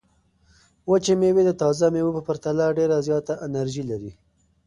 وچې مېوې د تازه مېوو په پرتله ډېره زیاته انرژي لري.